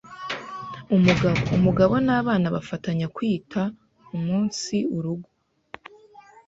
umugabo, umugabo n’abana bafatanya kwita umunsi rugo